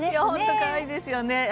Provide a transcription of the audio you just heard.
本当可愛いですよね。